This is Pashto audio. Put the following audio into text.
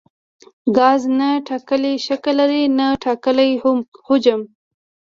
ګاز نه ټاکلی شکل لري نه ټاکلی حجم.